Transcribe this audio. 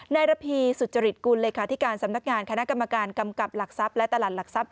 ระพีสุจริตกุลเลขาธิการสำนักงานคณะกรรมการกำกับหลักทรัพย์และตลาดหลักทรัพย